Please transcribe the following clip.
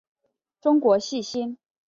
中国细辛